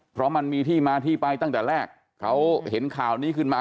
เพราะมันมีที่มาที่ไปตั้งแต่แรกเขาเห็นข่าวนี้ขึ้นมา